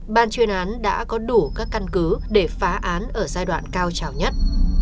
ban chuyên án đã có đủ các căn cứ để phá án ở giai đoạn cao trào nhất